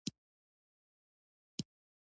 چې زما د شهيدانو لپاره دې دعا وکړي.